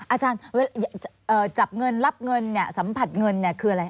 อาจารย์เวลาจับเงินรับเงินสัมผัสเงินคืออะไร